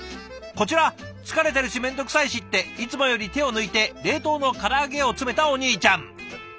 こちら疲れてるし面倒くさいしっていつもより手を抜いて冷凍の唐揚げを詰めたお兄ちゃん。